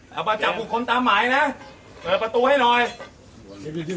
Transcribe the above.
น้ำมาจับผู้คนตามหมายนะเปิดประตูให้หน่อยฝรั่งง